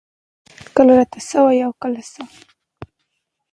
کله راته څۀ وائي او کله څۀ ـ